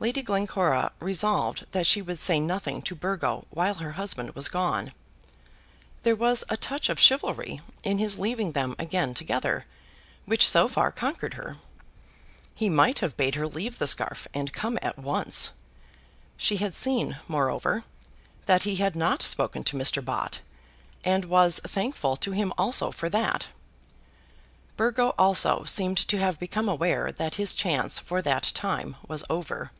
Lady Glencora resolved that she would say nothing to Burgo while her husband was gone. There was a touch of chivalry in his leaving them again together, which so far conquered her. He might have bade her leave the scarf, and come at once. She had seen, moreover, that he had not spoken to Mr. Bott, and was thankful to him also for that. Burgo also seemed to have become aware that his chance for that time was over.